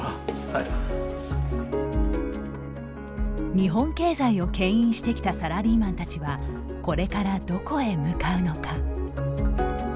日本経済を牽引してきたサラリーマンたちはこれからどこへ向かうのか。